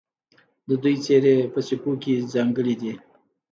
د دوی څیرې په سکو کې ځانګړې دي